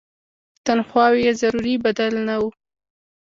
تنخواوې یې ضروري بدل نه وو.